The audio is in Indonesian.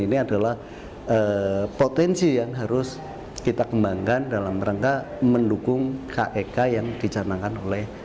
ini adalah potensi yang harus kita kembangkan dalam rangka mendukung kek yang dicanangkan oleh